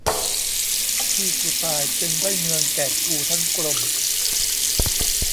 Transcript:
พี่กูตายจึงได้เมืองแก่กูทั้งกลม